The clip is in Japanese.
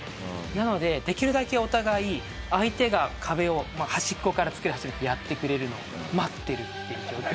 なのでできるだけお互い相手が壁を端っこから作り始めてやってくれるのを待ってるっていう状態。